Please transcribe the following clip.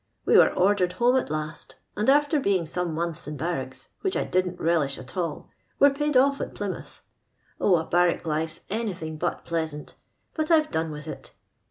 We were ordered home at last, and after being some months in barracks, which I didn't relisli at all, were paid off at lU^moutL Oh, a barrack life's anything but pleasant, but I'vcj done with it.